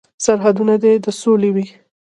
سرحدونه دې د سولې وي.